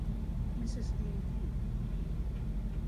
Mrs. Dean came.